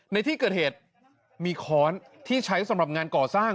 ในที่เกิดเหตุมีค้อนที่ใช้สำหรับงานก่อสร้าง